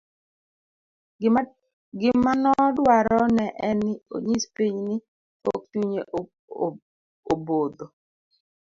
gimanoduaro ne en ni onyis piny ni pok chunye obotho